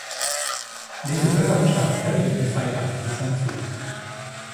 你條腿咁長，睇到熱血沸騰係幾辛苦